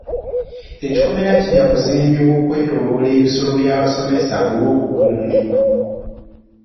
Ekikomera kijja kuzimbibwa okwetooloola ebisulo by'abasomesa olw'obukuumi.